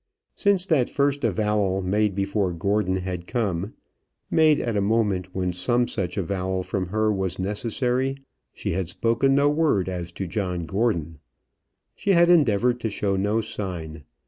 Since that first avowal, made before Gordon had come, made at a moment when some such avowal from her was necessary, she had spoken no word as to John Gordon. She had endeavoured to show no sign.